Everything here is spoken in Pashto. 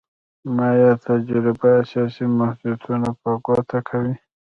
د مایا تجربه اساسي محدودیتونه په ګوته کوي.